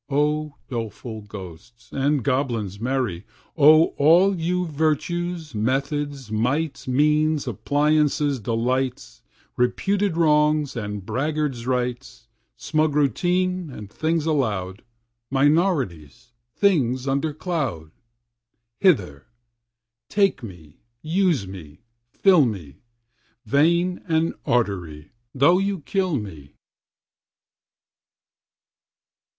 O doleful ghosts, and goblins merry! O all you virtues, methods, mights, Means, appliances, delights, Reputed wrongs and braggart rights, Smug routine, and things allowed, Minorities, things under cloud! Hither! take me, use me, fill me, Vein and artery, though ye kill me!